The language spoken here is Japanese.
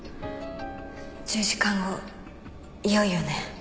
１０時間後いよいよね。